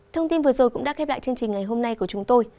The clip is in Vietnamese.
thông tin vừa rồi cũng đã khép lại chương trình ngày hôm nay của chúng tôi